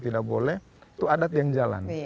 tidak boleh itu adat yang jalan